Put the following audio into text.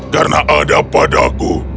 karena ada padaku